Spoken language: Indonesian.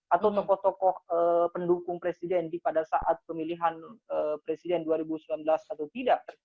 atau tokoh tokoh pendukung presiden pada saat pemilihan presiden dua ribu sembilan belas atau tidak